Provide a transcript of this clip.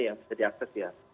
yang bisa diakses ya